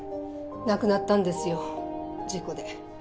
亡くなったんですよ事故で。